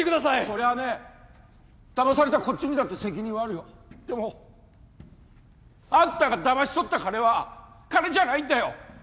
そりゃあねだまされたこっちにだって責任はあるよでもあんたがだまし取った金は金じゃないんだよ